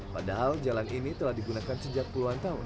padahal jalan ini telah digunakan sejak puluhan tahun